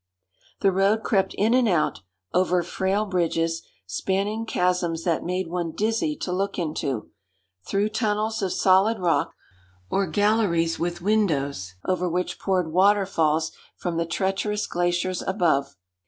The road crept in and out, over frail bridges, spanning chasms that made one dizzy to look into, through tunnels of solid rock, or galleries with windows over which poured waterfalls from the treacherous glaciers above.